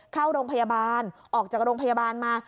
เข้าโรงพยาบาลออกจากโรงพยาบาลมา